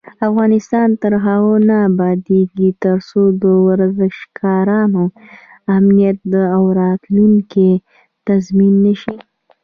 افغانستان تر هغو نه ابادیږي، ترڅو د ورزشکارانو امنیت او راتلونکی تضمین نشي.